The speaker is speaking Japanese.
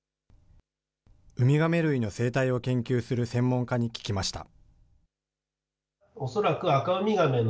ウミガメ類の生態を研究する専門家に聞きました。